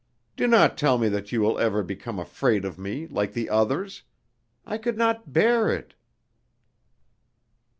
Do not tell me that you will ever become afraid of me like the others. I could not bear it."